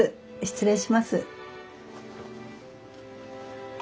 失礼します。